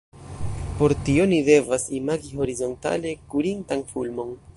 Por tio ni devas imagi horizontale kurintan fulmon.